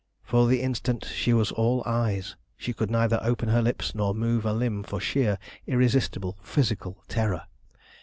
For the instant she was all eyes. She could neither open her lips nor move a limb for sheer, irresistible, physical terror.